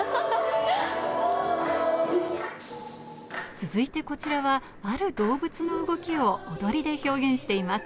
続いてこちらは、ある動物の動きを踊りで表現しています。